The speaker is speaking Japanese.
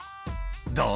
「どう？